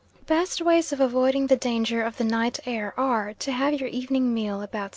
The best ways of avoiding the danger of the night air are to have your evening meal about 6.